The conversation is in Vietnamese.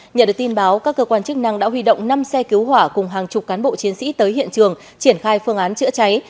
nhờ được tin báo các cơ quan chức năng đã huy động năm xe cứu hỏa cùng hàng chục cán bộ chiến sĩ tới hiện trường triển khai phương án chữa cháy